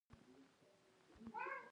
د ستوني درد لپاره څه شی ګډ کړم؟